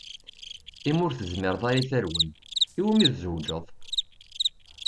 Imi ur tezmireḍ ara i terwa-m, iwumi i tezweǧeḍ?